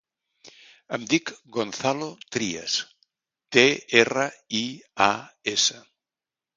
Em dic Gonzalo Trias: te, erra, i, a, essa.